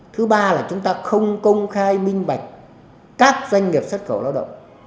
thứ ba là chúng ta không công khai minh bạch các doanh nghiệp xuất khẩu lao động